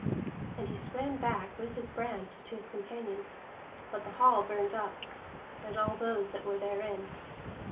And he swam back with his brand to his companions, but the hall burned up, and all those that were therein.